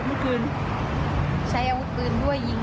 ทับกระจุมตกอยู่ด้วยสิ